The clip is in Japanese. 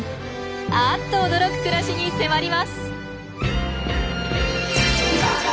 あっと驚く暮らしに迫ります。